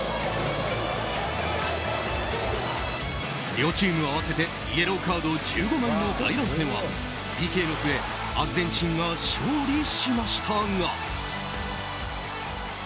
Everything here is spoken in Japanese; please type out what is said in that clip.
両チーム合わせてイエローカード１５枚の大乱戦はＰＫの末アルゼンチンが勝利しましたが。